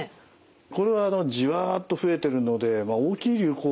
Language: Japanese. これはじわっと増えてるので大きい流行っていうほどではない。